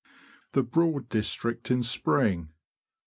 THE BROAD DISTRICT IN SPRING.